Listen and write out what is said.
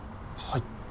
はい。